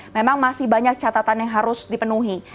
memang masih banyak catatan yang harus dipenuhi